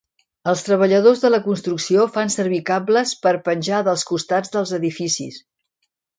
Els treballadors de la construcció fan servir cables per penjar dels costats dels edificis.